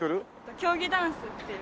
競技ダンスっていう。